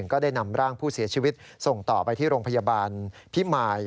ก็ได้นำร่างผู้เสียชีวิตส่งต่อไปที่โรงพยาบาลพิมาย